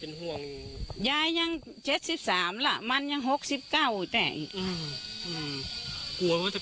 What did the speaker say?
เป็นห่วงยายยังเจ็ดสิบสามละมันยังหกสิบเก้าแต่อืม